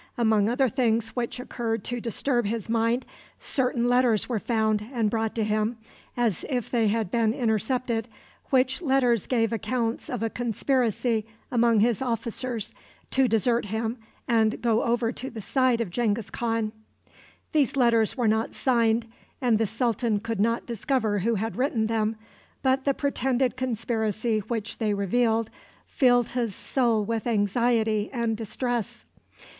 Among other things which occurred to disturb his mind, certain letters were found and brought to him, as if they had been intercepted, which letters gave accounts of a conspiracy among his officers to desert him and go over to the side of Genghis Khan. These letters were not signed, and the sultan could not discover who had written them, but the pretended conspiracy which they revealed filled his soul with anxiety and distress.